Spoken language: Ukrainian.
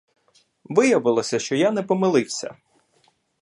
Виявилося, що я не помилився.